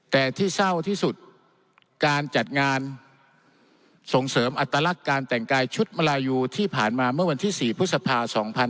แต่ที่เศร้าที่สุดการจัดงานส่งเสริมอัตลักษณ์การแต่งกายชุดมลายูที่ผ่านมาเมื่อวันที่๔พฤษภา๒๕๖๒